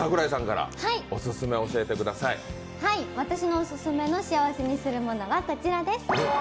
私のオススメの幸せにするものはこちらです。